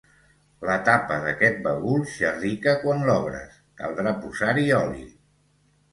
La tapa d'aquest bagul xerrica quan l'obres: caldrà posar-hi oli.